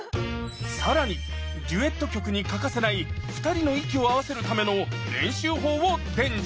さらにデュエット曲に欠かせない２人の息を合わせるための練習法を伝授！